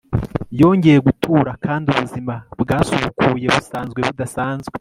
yongeye gutura, kandi ubuzima bwasubukuye busanzwe budasanzwe